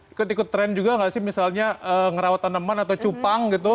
ikut ikut tren juga nggak sih misalnya ngerawat tanaman atau cupang gitu